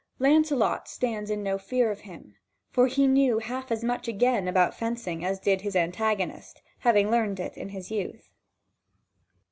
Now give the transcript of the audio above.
Lancelot stands in no fear of him, for he knew half as much again about fencing as did his antagonist, having learned it in his youth.